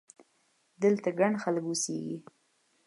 دلته ګڼ خلک اوسېږي!